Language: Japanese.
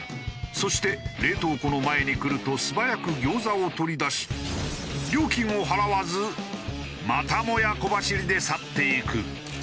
そして冷凍庫の前に来ると素早く餃子を取り出し料金を払わずまたもや小走りで去っていく。